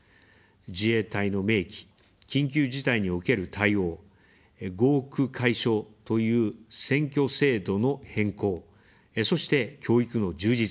自衛隊の明記、緊急事態における対応、合区解消という選挙制度の変更、そして、教育の充実。